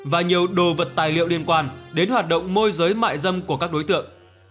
và nhiều đồ vật tài liệu liên quan đến hoạt động môi giới mại dâm của các đối tượng